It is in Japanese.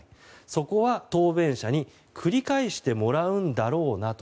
そこは、答弁者に繰り返してもらうんだろうなと。